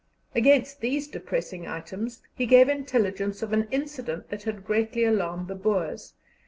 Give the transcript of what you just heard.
Against these depressing items, he gave intelligence of an incident that had greatly alarmed the Boers.